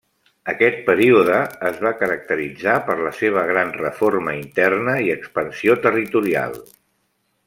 Aquest període es va caracteritzar per la seva gran reforma interna i expansió territorial.